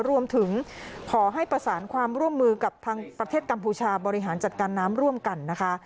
รวมถึงขอให้ประสานความร่วมมือกับทางประเทศกัมพูชาบริหารจัดการน้ำร่วมกันนะคะ